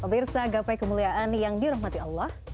pemirsa gapai kemuliaan yang dirahmati allah